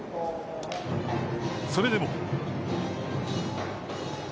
それでも。